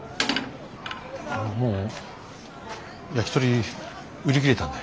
もう焼きとり売り切れたんで。